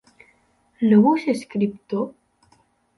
¿No vull ser escriptor?